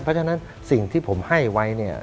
เพราะฉะนั้นสิ่งที่ผมให้ไว้เนี่ย